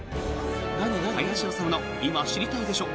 「林修の今、知りたいでしょ！」